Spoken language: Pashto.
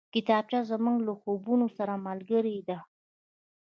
کتابچه زموږ له خوبونو سره ملګرې ده